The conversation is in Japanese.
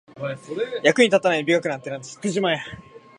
役に立たない美学なんか捨ててしまえ